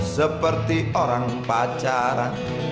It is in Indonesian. seperti orang pacaran